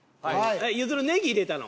ゆずるネギ入れたの？